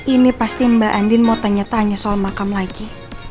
ini pasti mbak andin mau tanya tanya soal makam lagi